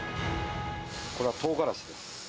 これはとうがらしです。